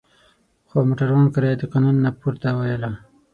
خو موټروان کرایه د قانون نه پورته وویله.